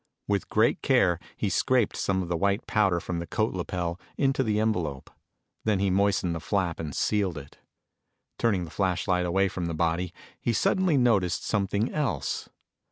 With great care, he scraped some of the white powder from the coat lapel into the envelope. Then he moistened the flap and sealed it. Turning the flashlight away from the body, he suddenly noticed something else.